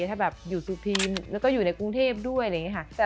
ถ้าแบบอยู่สุพีมแล้วก็อยู่ในกรุงเทพด้วยอะไรอย่างนี้ค่ะ